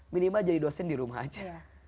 minimal jadi dosen di rumah aja